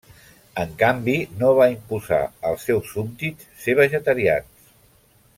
En canvi, no va imposar als seus súbdits ser vegetarians.